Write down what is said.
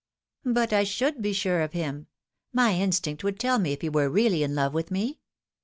" But I should be sure of him. My instinct would tell me if he were really in love with me.